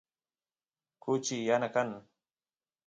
kuchi yana kan